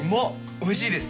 おいしいです。